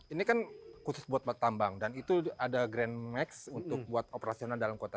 ini kan khusus buat tambang dan itu ada grand max untuk buat operasional dalam kota